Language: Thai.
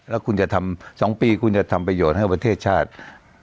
แล้วคุณจะทำ๒ปีคุณจะทำประโยชน์ให้ประเทศชาติ